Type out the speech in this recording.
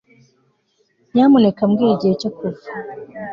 Nyamuneka mbwira igihe cyo kuva